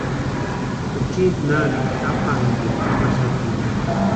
Juchi nanti tapankurhu jamaxati.